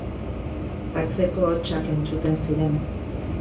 Atzeko hotsak entzuten ziren.